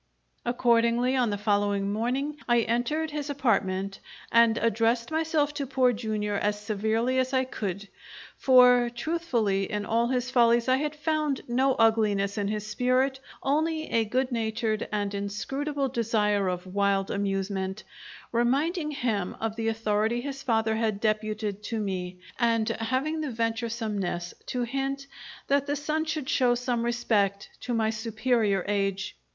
Accordingly, on the following morning, I entered his apartment and addresses myself to Poor Jr. as severely as I could (for, truthfully, in all his follies I had found no ugliness in his spirit only a good natured and inscrutable desire of wild amusement) reminding him of the authority his father had deputed to me, and having the venturesomeness to hint that the son should show some respect to my superior age.